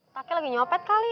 kakek lagi nyopet kali